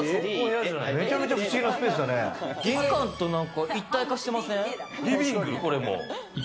玄関と一体化してません？